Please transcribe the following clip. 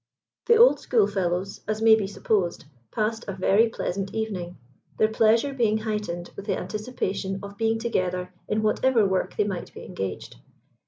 The old schoolfellows, as may be supposed, passed a very pleasant evening, their pleasure being heightened with the anticipation of being together in whatever work they might be engaged.